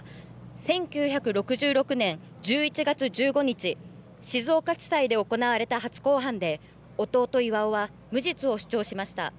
１９６６年１１月１５日、静岡地裁で行われた初公判で弟、巌は無実を主張しました。